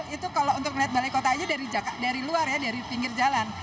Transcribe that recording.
itu untuk melihat balai kota dari luar dari pinggir jalan